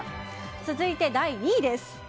続いて第２位です。